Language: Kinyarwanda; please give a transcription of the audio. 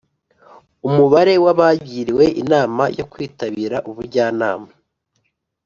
Umubare w abagiriwe inama yo kwitabira ubujyanama